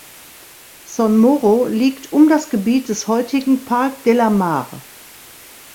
Son Moro liegt um das Gebiet des heutigen "Parc de la Mar".